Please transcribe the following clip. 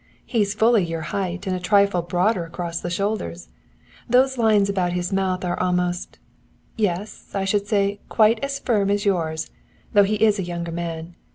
"He's fully your height and a trifle broader across the shoulders. The lines about his mouth are almost yes, I should say, quite as firm as yours, though he is a younger man.